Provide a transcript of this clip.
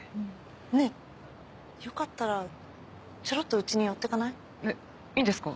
ねぇよかったらちょろっと家に寄ってかない？えいいんですか？